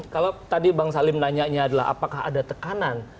kalau tadi bang salim nanya adalah apakah ada tekanan